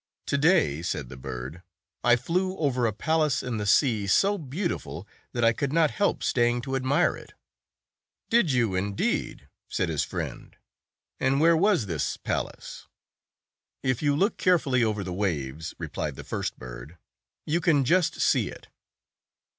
"To day," said the bird, " I flew over a palace in the sea, so beautiful that I could not help staying to admire it." "Did you, indeed?" said his friend. "And where was this palace?" " If you look carefully over the waves," replied the first bird, "you can just see it."